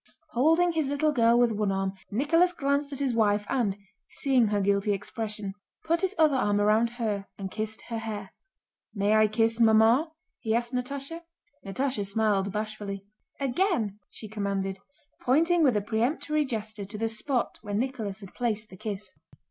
Holding his little girl with one arm, Nicholas glanced at his wife and, seeing her guilty expression, put his other arm around her and kissed her hair. "May I kiss Mamma?" he asked Natásha. Natásha smiled bashfully. "Again!" she commanded, pointing with a peremptory gesture to the spot where Nicholas had placed the kiss.